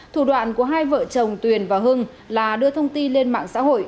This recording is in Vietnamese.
thủ đoạn của hai vợ chồng tuyền và hưng là đưa thông tin lên mạng xã hội